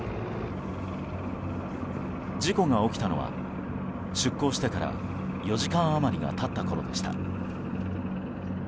事故が起きたのは、出航してから４時間余りが経ったころでした。